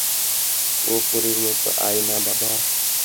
ও পরীর মতো, তাই না বাবা?